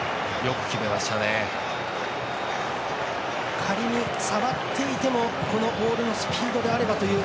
仮に触っていてもこのボールのスピードであれば。